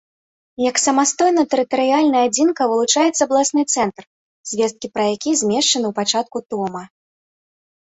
Як самастойная тэрытарыяльная адзінка вылучаецца абласны цэнтр, звесткі пра які змешчаны ў пачатку тома.